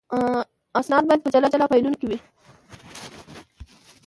اسناد باید په جلا جلا فایلونو کې وي.